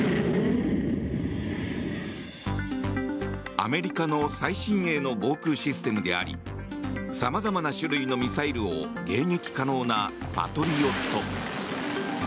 アメリカの最新鋭の防空システムでありさまざまな種類のミサイルを迎撃可能なパトリオット。